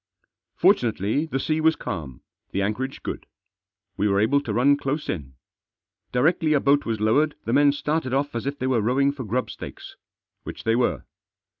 Fortunately the sea was calm, the anchorage good. We were able to run close in. Directly a boat was lowered the men started off as if they were rowing for grub stakes. Which they were.